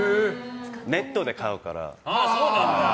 ネットで買うから。